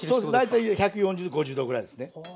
大体１４０１５０℃ぐらいですね。